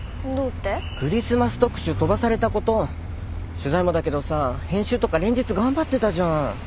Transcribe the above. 取材もだけどさ編集とか連日頑張ってたじゃん。